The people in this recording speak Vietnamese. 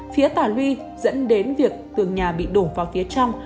phía tà luy dẫn đến việc tường nhà bị đổ vào phía trong